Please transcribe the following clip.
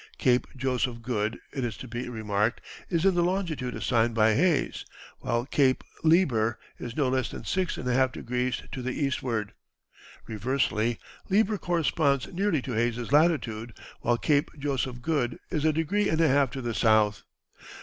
Cape Joseph Goode, it is to be remarked, is in the longitude assigned by Hayes, while Cape Lieber is no less than six and a half degrees to the eastward; reversely, Lieber corresponds nearly to Hayes's latitude, while Cape Joseph Goode is a degree and a half to the south.